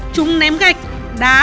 chúng ném gạch đá